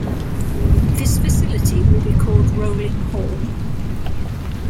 This facility will be called Rowling Hall.